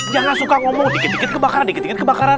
jangan suka ngomong dikit dikit kebakaran dikit dikit kebakaran